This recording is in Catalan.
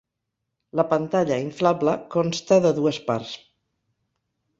La pantalla inflable consta de dues parts.